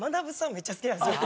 めっちゃ好きなんですよ。